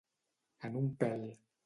En un pèl.